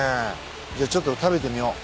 じゃちょっと食べてみよう。